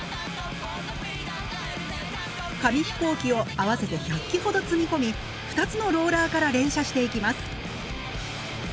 紙飛行機を合わせて１００機ほど積み込み２つのローラーから連射していきます。